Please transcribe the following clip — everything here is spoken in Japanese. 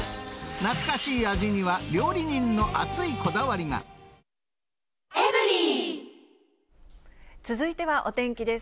懐かしい味には、料理人の熱続いてはお天気です。